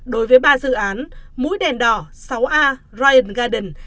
đối với ba dự án mũi đèn đỏ sáu a ryan garden